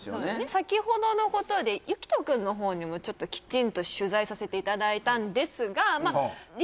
先ほどのことでゆきとくんの方にもちょっときちんと取材させていただいたんですがり